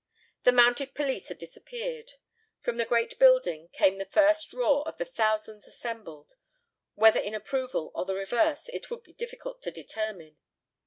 The mounted police had disappeared. From the great building came the first roar of the thousands assembled, whether in approval or the reverse it would be difficult to determine.